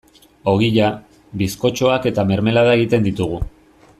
Ogia, bizkotxoak eta mermelada egiten ditugu.